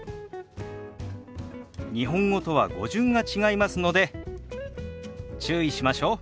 日本語とは語順が違いますので注意しましょう。